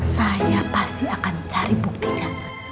saya pasti akan cari buktinya